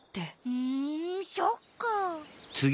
ふんそっか。